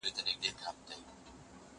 کېدای سي موبایل خراب وي؟